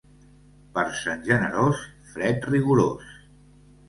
Per Sant Generós fred rigorós.